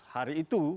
seratus hari itu